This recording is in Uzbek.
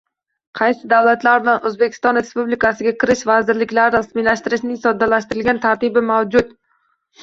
Qaysi davlatlar bilan O‘zbekiston Respublikasiga kirish vizalarini rasmiylashtirishning soddalashtirilgan tartibi mavjud?